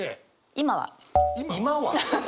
「今は」！？